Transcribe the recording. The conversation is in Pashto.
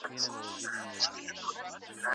که معلومات شریک سي نو ابهام نه پاته کېږي.